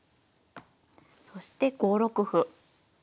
そして５六歩。